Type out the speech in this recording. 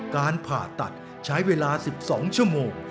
การผ่าตัดใช้เวลา๑๒ชั่วโมง